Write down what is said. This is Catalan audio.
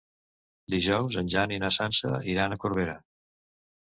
Dijous en Jan i na Sança iran a Corbera.